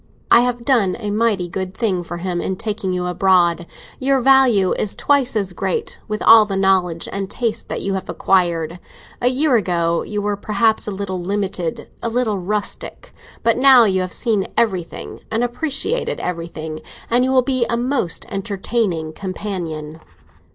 I have done a mighty good thing for him in taking you abroad; your value is twice as great, with all the knowledge and taste that you have acquired. A year ago, you were perhaps a little limited—a little rustic; but now you have seen everything, and appreciated everything, and you will be a most entertaining companion.